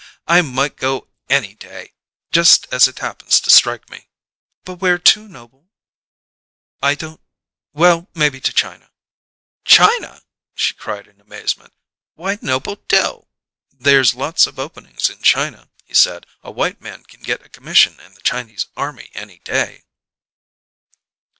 "I might go any day! Just as it happens to strike me." "But where to, Noble?" "I don't Well, maybe to China." "China!" she cried in amazement. "Why, Noble Dill!" "There's lots of openings in China," he said. "A white man can get a commission in the Chinese army any day."